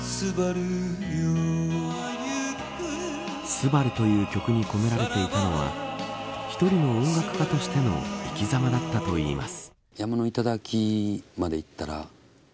昴という曲に込められていたのは一人の音楽家としての生き様だったといいます。